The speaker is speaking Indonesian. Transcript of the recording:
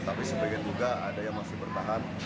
tapi sebagian juga ada yang masih bertahan